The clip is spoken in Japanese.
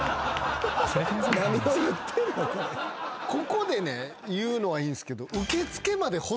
ここで言うのはいいんすけど。